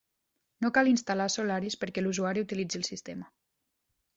No cal instal·lar Solaris perquè l'usuari utilitzi el sistema.